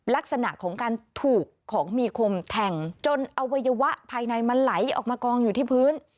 ลักษณะของการถูกของมีคมแทงจนอวัยวะภายในมันไหลออกมากองอยู่ที่พื้น